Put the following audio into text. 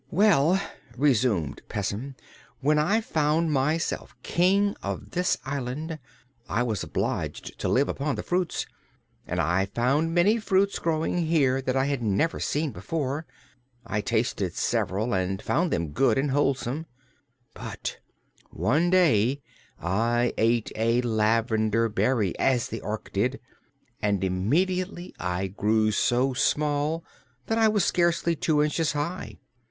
"Well," resumed Pessim, "when I found myself King of this island I was obliged to live upon fruits, and I found many fruits growing here that I had never seen before. I tasted several and found them good and wholesome. But one day I ate a lavender berry as the Ork did and immediately I grew so small that I was scarcely two inches high.